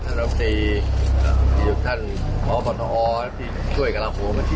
ขออนุมัติขออนุมัติขออนุมัติ